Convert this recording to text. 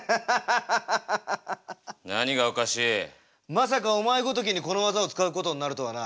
まさかお前ごときにこの技を使うことになるとはな。